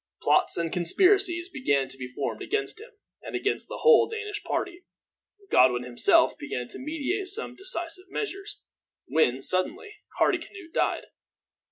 Plots and conspiracies began to be formed against him, and against the whole Danish party. Godwin himself began to meditate some decisive measures, when, suddenly, Hardicanute died.